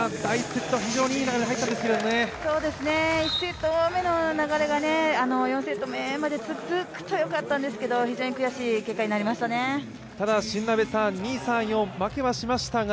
１セット目の流れが４セット目まで続くとよかったんですけれども、非常に悔しい結果になりましたね。